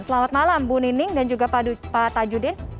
selamat malam bu nining dan juga pak tajudin